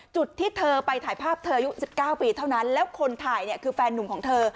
จุดที่เธอไปถ่ายภาพเธออายุ๑๙ปีเท่านั้นแล้วคนถ่ายเนี่ยคือแฟนนุ่มของเธอ